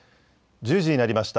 １０時になりました。